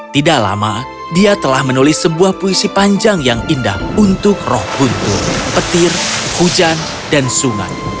tidak lama dia telah menulis sebuah puisi panjang yang indah untuk roh guntur petir hujan dan sungai